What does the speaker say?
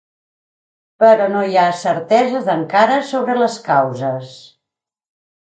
Però no hi ha certeses encara sobre les causes.